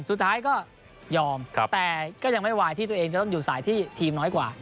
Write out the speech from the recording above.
สุดท้ายก็ยอมแต่ก็ยังไม่ไหวที่ตัวเองจะต้องอยู่สายที่ทีมน้อยกว่า